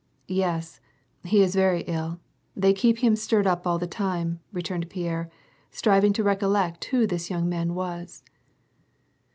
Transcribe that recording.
"Yes, he is very ill. They keep him stirred up all the time," returned Pierre, striving to recollect who this young man was.